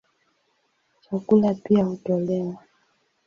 Chakula pia hutolewa.